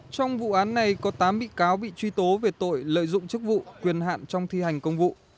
trong vụ án này có tám bị cáo bị truy tố về tội lợi dụng chức vụ quyền hạn trong thi hành công vụ